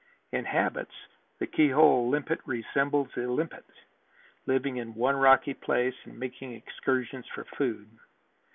In habits the key hole limpet resembles the limpet, living in one rocky place and making excursions for food.